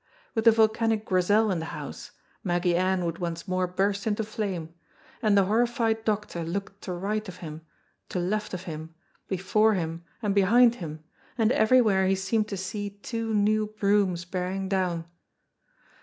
With the volcanic Grizel in the house, Maggy Ann would once more burst into flame, and the horrified doctor looked to right of him, to left of him, before him and behind him, and everywhere he seemed to see two new brooms bearing down.